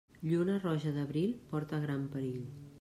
Lluna roja d'abril porta gran perill.